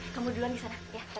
kamu duluan disana